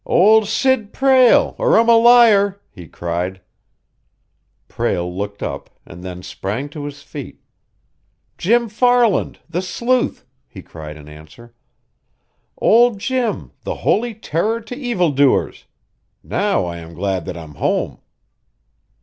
"Old Sid Prale, or I'm a liar!" he cried. Prale looked up, and then sprang to his feet. "Jim Farland, the sleuth!" he cried in answer. "Old Jim, the holy terror to evildoers. Now I am glad that I'm home!"